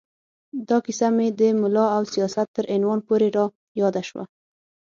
دا کیسه مې د ملا او سیاست تر عنوان پورې را یاده شوه.